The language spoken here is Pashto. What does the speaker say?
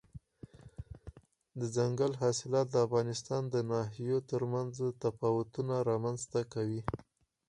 دځنګل حاصلات د افغانستان د ناحیو ترمنځ تفاوتونه رامنځ ته کوي.